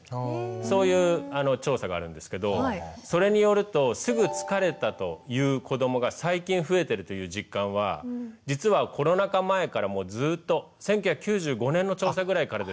そういう調査があるんですけどそれによると「すぐ疲れた」という子どもが最近増えてるという実感は実はコロナ禍前からもずっと１９９５年の調査ぐらいからですから。